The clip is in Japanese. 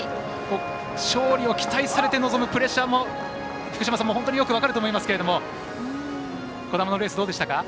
勝利を期待されて臨むプレッシャーも、福島さんも本当によく分かると思いますが兒玉のレースどうでしたか？